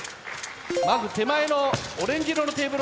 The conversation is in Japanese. まず手前のオレンジ色のテーブルを狙った。